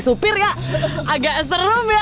yang mana supir ya